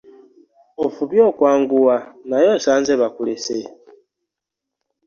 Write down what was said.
Ofubye okwanguwa naye osanze bakulese.